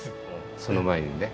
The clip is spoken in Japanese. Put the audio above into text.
その前にね